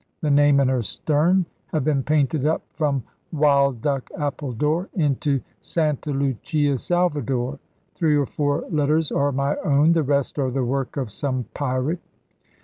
The name in her stern have been painted up from 'Wild duck, Appledore,' into 'Santa Lucia, Salvador;' three or four letters are my own, the rest are the work of some pirate.